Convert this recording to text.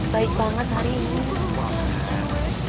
baik banget hari ini